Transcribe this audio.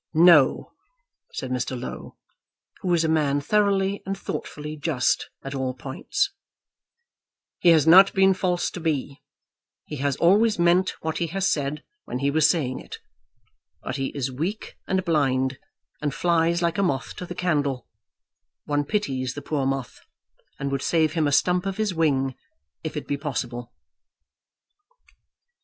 "No," said Mr. Low, who was a man thoroughly and thoughtfully just at all points; "he has not been false to me. He has always meant what he has said, when he was saying it. But he is weak and blind, and flies like a moth to the candle; one pities the poor moth, and would save him a stump of his wing if it be possible."